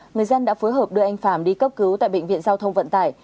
người dân đã phối hợp đưa anh phạm đi cấp cứu tại bệnh viện giao thông vận tải